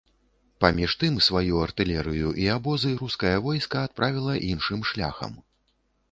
Паміж тым, сваю артылерыю і абозы рускае войска адправіла іншым шляхам.